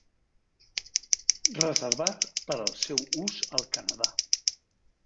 Reservat per al seu ús al Canadà.